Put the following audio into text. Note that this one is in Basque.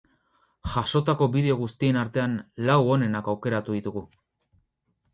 Jasotako bideo guztien artean, lau onenak aukeratu ditugu.